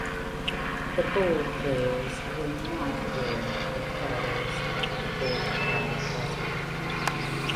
The ball-players will not wear the feathers of the bald-headed buzzard.